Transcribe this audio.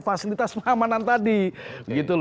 fasilitas pengamanan tadi